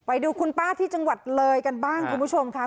ไปดูคุณป้าที่จังหวัดเลยกันบ้างคุณผู้ชมค่ะ